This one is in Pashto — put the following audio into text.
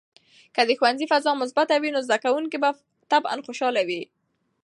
که د ښوونځي فضا مثبته وي، نو زده کوونکي به طبعاً خوشحال وي.